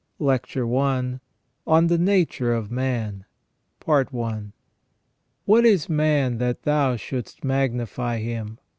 .. 374 LECTURE I. ON THE NATURE OF MAN. "What is man that thou shouldst magnify him